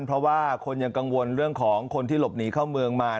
เพราะว่าคนยังกังวลเรื่องของคนที่หลบหนีเข้าเมืองมา